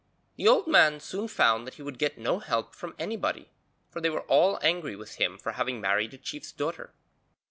The old man soon found that he would get no help from anybody, for they were all angry with him for having married a chief's daughter.